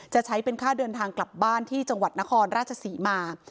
จะใช้เป็นค่าเดินทางกลับบ้านที่จังหวัดนครราชศรีมา